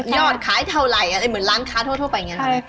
ยอดขายเท่าไหร่เหมือนร้านค้าโทษไปอย่างนี้